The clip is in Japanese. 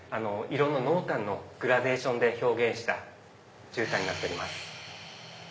色の濃淡のグラデーションで表現した絨毯になっております。